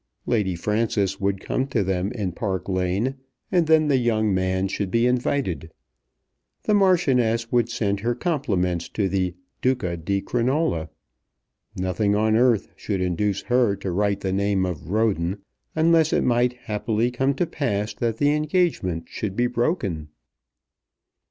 Lady Frances would come to them in Park Lane, and then the young man should be invited. The Marchioness would send her compliments to the "Duca di Crinola." Nothing on earth should induce her to write the name of Roden, unless it might happily come to pass that the engagement should be broken.